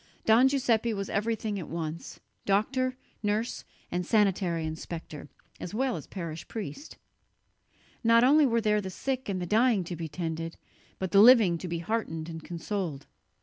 Don Giuseppe was everything at once: doctor, nurse and sanitary inspector, as well as parish priest. Not only were there the sick and the dying to be tended, but the living to be heartened and consoled.